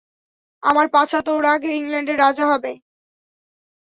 আমার পাছা তোর আগে ইংল্যান্ডের রাজা হবে।